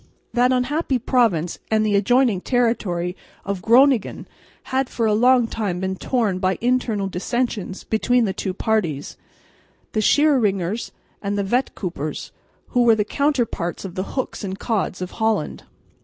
That unhappy province and the adjoining territory of Groningen had for a long time been torn by internal dissensions between the two parties, the Schieringers and the Vetkoopers, who were the counterparts of the Hooks and Cods of Holland.